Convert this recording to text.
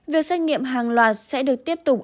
việc xét nghiệm hàng loạt sẽ được tiếp tục